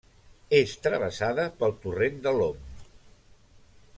És travessada pel torrent de l'Om.